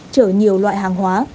chở nhiều loại hàng hóa